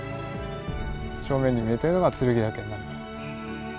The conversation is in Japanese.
正面に見えてるのが剱岳になります。